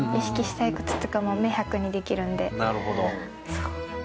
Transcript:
そう。